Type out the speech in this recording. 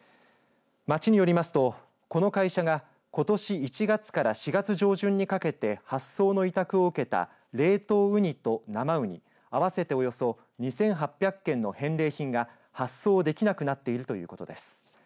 町によりますと、この会社がことし１月から４月上旬にかけて発送の委託を受けた冷凍ウニと生ウニ合わせておよそ２８００件の返礼品が発送できなくなっているということです。